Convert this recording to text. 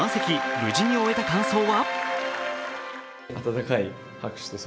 無事に終えた感想は？